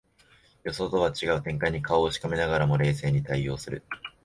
予想とは違う展開に顔をしかめながらも冷静に対応する